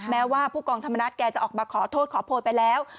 แม้ว่าผู้กองธรรมนัฐแกจะออกมาขอโทษขอโพยไปแล้ว